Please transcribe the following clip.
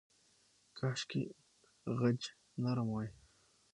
کاشکې خج نرم وای.